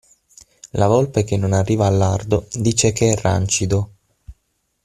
La volpe che non arriva al lardo dice che è rancido.